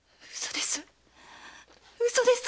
嘘です。